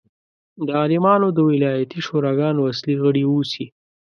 د عالمانو د ولایتي شوراګانو اصلي غړي اوسي.